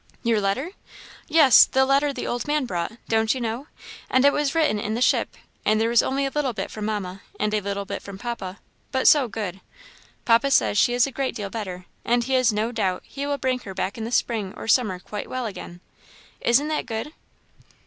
"Your letter!" "Yes, the letter the old man brought don't you know? and it was written in the ship, and there was only a little bit from Mamma, and a little bit from Papa, but so good! Papa says she is a great deal better, and he has no doubt he will bring her back in the spring or summer quite well again. Isn't that good?"